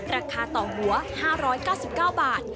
ราคาต่อหัว๕๙๙บาท